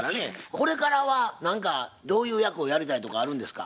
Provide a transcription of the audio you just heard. これからは何かどういう役をやりたいとかあるんですか？